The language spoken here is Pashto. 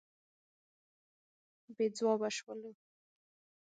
بې ځوابه شولو.